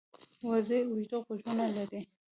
وزې اوږده غوږونه لري